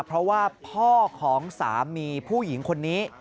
เพราะว่าพ่อของสามีผู้หญิงคนนี้